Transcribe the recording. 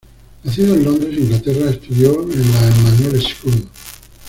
Nacido en Londres, Inglaterra, estudió en la Emanuel School.